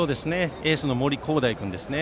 エースの森煌誠君ですね。